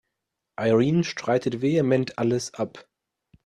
Irene streitet vehement alles ab.